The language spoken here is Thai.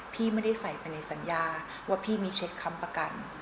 พี่ไม่ได้ใส่ไปในสัญญาว่าพี่มีเช็คค้ำประกัน